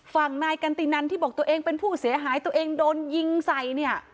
ฝั่งนายกันตินันที่บอกตัวเองเป็นผู้เสียหายตัวเองโดนยิงใส่เนี่ย